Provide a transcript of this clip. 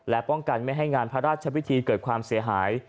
และป้องกันไม่ให้งานพระราชพิธีเกิดความเสียหาย